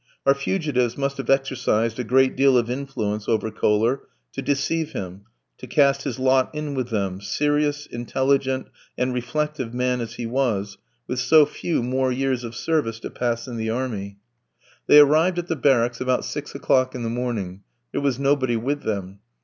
Our fugitives must have exercised a great deal of influence over Kohler to deceive him, to cast his lot in with them, serious, intelligent, and reflective man as he was, with so few more years of service to pass in the army. They arrived at the barracks about six o'clock in the morning; there was nobody with them.